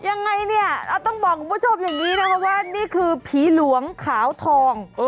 ยังไงเนี่ยเราต้องบอกคุณผู้ชมอย่างนี้นะคะว่านี่คือผีหลวงขาวทอง